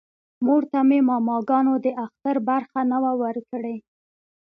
مور ته مې ماماګانو د اختر برخه نه وه ورکړې